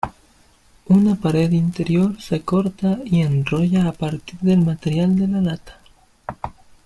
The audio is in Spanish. Una pared interior se corta y enrolla a partir del material de la lata.